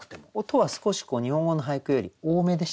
音は少し日本語の俳句より多めでしたけど。